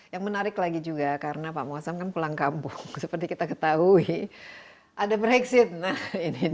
yang menarik lagi juga karena pak muasam kan pulang kampung seperti kita ketahui ada brexit nah ini